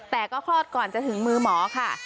แต่ก็คลอดก่อนจะถึงมือหมอค่ะ